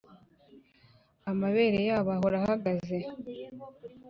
amabere yabo ahora ahagaze